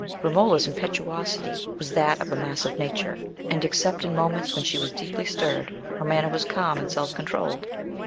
Romola's impetuosity was that of a massive nature, and, except in moments when she was deeply stirred, her manner was calm and self controlled.